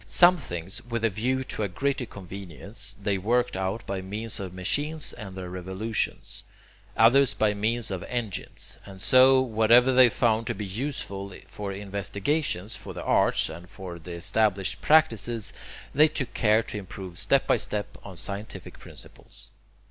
Some things, with a view to greater convenience, they worked out by means of machines and their revolutions, others by means of engines, and so, whatever they found to be useful for investigations, for the arts, and for established practices, they took care to improve step by step on scientific principles.